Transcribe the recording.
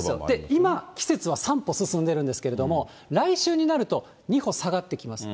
今、季節は３歩進んでるんですけれども、来週になると２歩下がってきます。